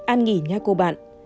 an nghỉ nha cô bạn